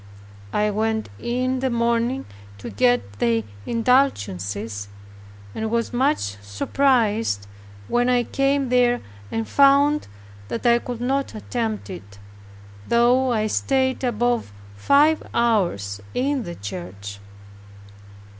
I went in the morning to get the indulgences and was much surprised when I came there and found that I could not attempt it; though I stayed above five hours in the church.